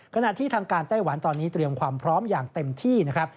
ขณะที่ทางการไต้หวันตอนนี้เตรียมความพร้อมอย่างเต็มที่นะครับ